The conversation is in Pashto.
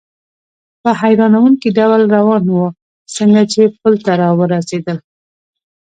په حیرانوونکي ډول روان و، څنګه چې پل ته را ورسېدل.